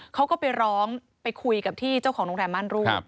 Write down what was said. เขาก็ไปร้องไปคุยกับที่เจ้าของโรงแรมม่านรูด